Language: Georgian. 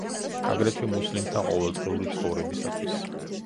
აგრეთვე, მუსლიმთა ყოველდღიური ცხოვრებისათვის.